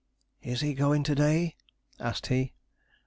'Is he going to day?' asked he.